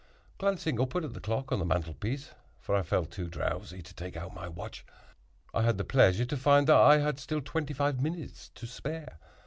Glancing upward at the clock on the mantel piece, (for I felt too drowsy to take out my watch), I had the pleasure to find that I had still twenty five minutes to spare.